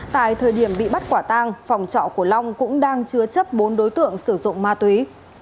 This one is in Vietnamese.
tại thời điểm bị bắt quả tang phòng trọ của long cũng đang chứa chấp bốn đối tượng sử dụng ma túy